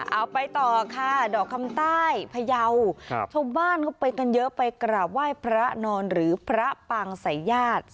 เอาไปต่อค่ะดอกคำใต้พยาวชาวบ้านก็ไปกันเยอะไปกราบไหว้พระนอนหรือพระปางสายญาติ